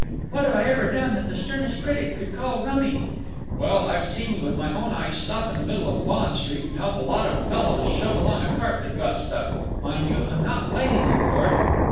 "What have I ever done that the sternest critic could call rummy?" "Well, I've seen you with my own eyes stop in the middle of Bond Street and help a lot of fellows shove along a cart that had got stuck. Mind you, I'm not blaming you for it...."